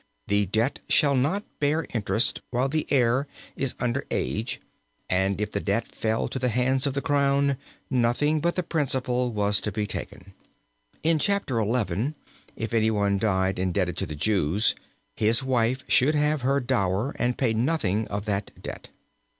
the debt shall not bear interest while the heir is under age and if the debt fell to the hands of the crown, nothing but the principal was to be taken. In Chapter XI. if any one died indebted to the Jews his wife should have her dower and pay nothing of that debt.